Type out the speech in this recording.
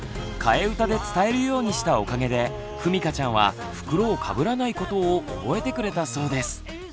替え歌で伝えるようにしたおかげでふみかちゃんは袋をかぶらないことを覚えてくれたそうです。